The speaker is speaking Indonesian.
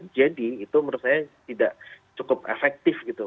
jadi itu menurut saya tidak cukup efektif gitu